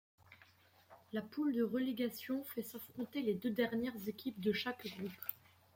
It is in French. La poule de relégation fait s'affronter les deux dernières équipes de chaque groupe.